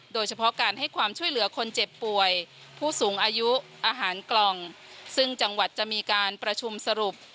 โดยเฉพาะการให้ความช่วยเหลือคนเจ็บป่วยผู้สูงอายุอาหารกล่องซึ่งจังหวัดจะมีการประชุมสรุป